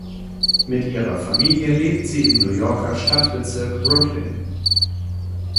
Mit ihrer Familie lebt sie im New Yorker Stadtbezirk Brooklyn.